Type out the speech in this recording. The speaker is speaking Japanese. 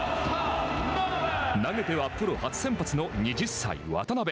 投げてはプロ初先発の２０歳、渡邉。